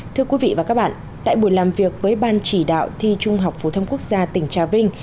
thưa quý vị và các bạn tại buổi làm việc với ban chỉ đạo thi trung học phổ thông quốc gia tỉnh trà vinh